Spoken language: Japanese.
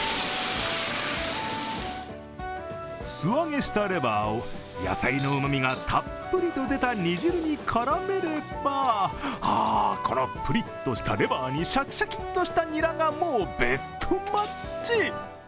素揚げしたレバーを野菜のうまみがたっぷりと出た煮汁に絡めればあ、このプリッとしたレバーにシャキシャキッとしたにらがもうベストマッチ。